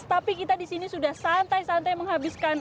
tapi kita di sini sudah santai santai menghabiskan